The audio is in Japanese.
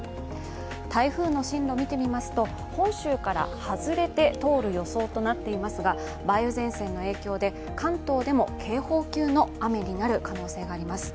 台風の進路見てみますと本州から外れて通る予想となっていますが、梅雨前線の影響で関東でも警報級の雨になる可能性があります。